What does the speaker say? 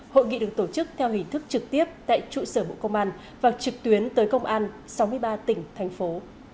và trực tuyến tới công an sáu mươi ba tỉnh thành phố